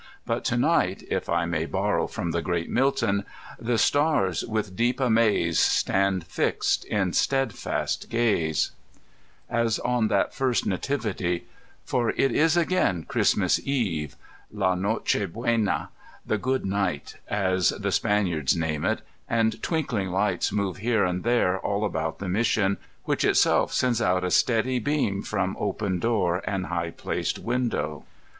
But to night (if I may borrow from the great Milton) " The stars, with deep amaze, Stand fixed In steadfast gaze," as on that first Nativity: for it is again Christmas Eve, La 271 €^ CdCifomia ^dbxt» Noche Buena, the Good Night, as the Spaniards name it; and twinkling lights move here and there all about the Mission, which itself sends out a steady beam from open door and high placed window.